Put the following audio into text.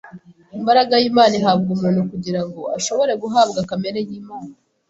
Imbaraga y’Imana ihabwa umuntu, kugira ngo ashobore guhabwa kamere y’Imana;